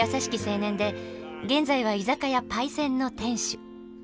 青年で現在は居酒屋「パイセン」の店主。